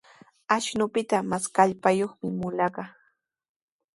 Ashnupita mas kallpayuqmi mulaqa.